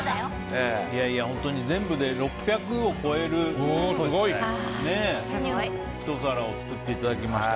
本当に全部で６００を超えるすごいひと皿を作っていただきました。